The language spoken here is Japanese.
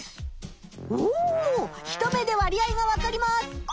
おお一目で割合がわかります！